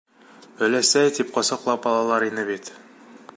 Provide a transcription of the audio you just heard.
Өләсәй, тип ҡосаҡлап алалар ине бит.